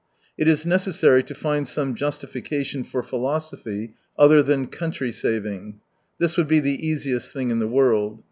It is necessary to find some justification for philosophy other than country savings This would be the easiest thing in the world.